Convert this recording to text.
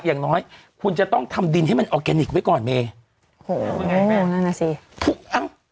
อย่างน้อยคุณจะต้องทำดินให้มันออร์แกนิคไว้ก่อนเมย์โอ้โหนั่นน่ะสิทุกอ้าง